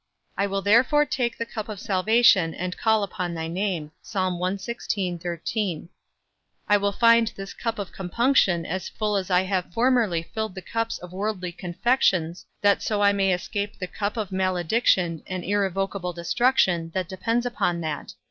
I will therefore take the cup of salvation, and call upon thy name. I will find this cup of compunction as full as I have formerly filled the cups of worldly confections, that so I may escape the cup of malediction and irrecoverable destruction that depends upon that.